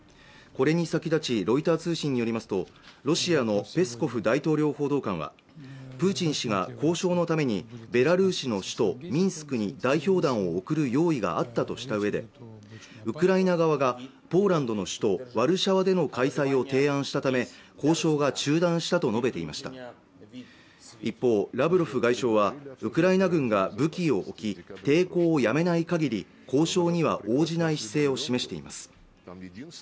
これに先立ちロイター通信によりますとロシアのペスコフ大統領報道官はプーチン氏が交渉のためにベラルーシの首都ミンスクに代表団を送る用意があったとしたうえでウクライナ側がポーランドの首都ワルシャワでの開催を提案したため交渉が中断したと述べていました一方ラブロフ外相はウクライナ軍が武器を置き抵抗をやめないかぎり交渉には応じない姿勢を示しています